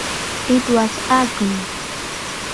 It was ugly.